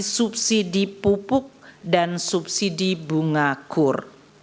belanja subsidi yang disalurkan mengalami kenaikan alokasi subsidi pupuk dan subsidi bunga kur